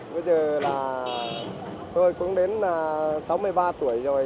bây giờ là tôi cũng đến sáu mươi ba tuổi rồi